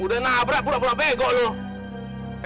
udah nabrak pura pura bengkok loh